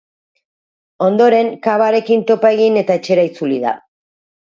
Ondoren, cavarekin topa egin eta etxera itzuli da.